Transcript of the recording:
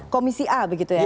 komisi a begitu ya